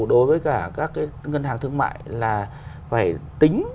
đối với cả các ngân hàng thương mại là phải tính